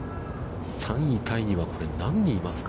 ３位タイには、これ、何人いますか。